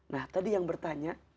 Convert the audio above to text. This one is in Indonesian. nah tadi yang bertanya